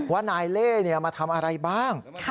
ว่านายเล่มาทำอะไรบ้าง